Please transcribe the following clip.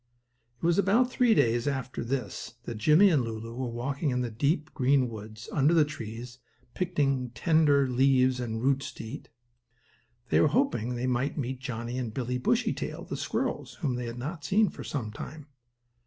It was about three days after this that Jimmie and Lulu were walking in the deep, green woods, under the trees, picking tender leaves and roots to eat. They were hoping they might meet Johnnie and Billie Bushytail, the squirrels whom they had not seen for some time.